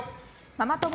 ママ友に。